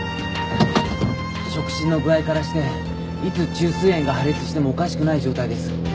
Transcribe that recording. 触診の具合からしていつ虫垂炎が破裂してもおかしくない状態です。